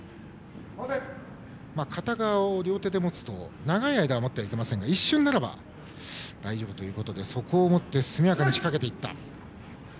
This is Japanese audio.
片側を両手で持つと長い間持ってはいけませんが一瞬ならいいということでそこを持って速やかに仕掛けていった。